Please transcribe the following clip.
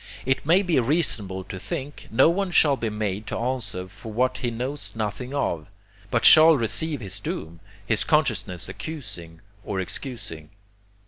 It may be reasonable to think, no one shall be made to answer for what he knows nothing of, but shall receive his doom, his consciousness accusing or excusing.